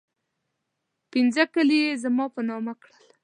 پنځه کلي یې زما په نامه کړل.